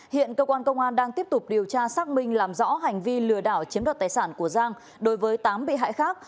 hiện cơ quan công an đang tiếp tục điều tra xác minh làm rõ hành vi lừa đảo chiếm đoạt tài sản của giang đối với tám bị hại khác